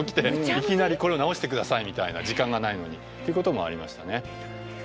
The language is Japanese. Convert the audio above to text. いきなり「これを直して下さい」みたいな時間がないのにということもありましたね。